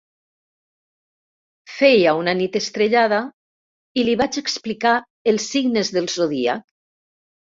Feia una nit estrellada, i li vaig explicar els signes del zodíac.